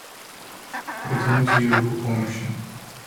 Протянуть ей руку помощи.